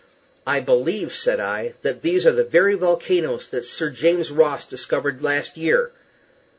"I believe," said I, "that these are the very volcanoes that Sir James Ross discovered last year."